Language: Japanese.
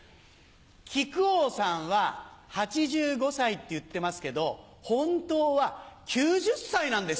木久扇さんは８５歳って言ってますけど本当は９０歳なんですよ。